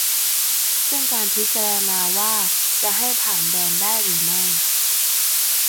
ซึ่งการพิจารณาว่าจะให้ผ่านแดนได้หรือไม่